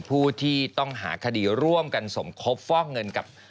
ผู้ที่ต้องหาคดีร่วมกันสมคบฟอกเงินกับ